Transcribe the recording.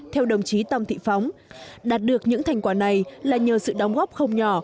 theo đồng chí tòng thị phóng đạt được những thành quả này là nhờ sự đóng góp không nhỏ